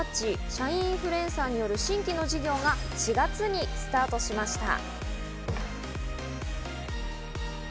社員インフルエンサーによる新規の事業が４月にスタートしました。